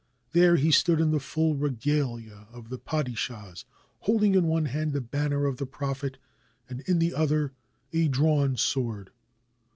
There he stood in the full regalia of the padishahs, holding in one hand the banner of the Prophet and in the other a drawn sword.